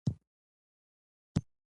حرکت ضروري دی.